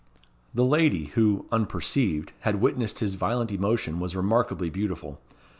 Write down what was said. The lady who, unperceived, had witnessed his violent emotion was remarkably beautiful.